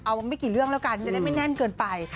เอาไม่กี่เรื่องแล้วกันจะได้ไม่แน่นเกินไป